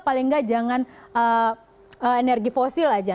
paling nggak jangan energi fosil aja